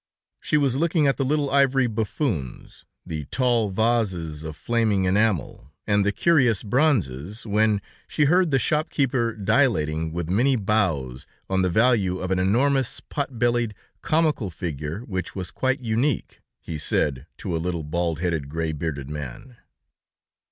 She was looking at the little ivory buffoons, the tall vases of flaming enamel, and the curious bronzes, when she heard the shop keeper dilating, with many bows, on the value of an enormous, pot bellied, comical figure, which was quite unique, he said, to a little, bald headed, gray bearded man.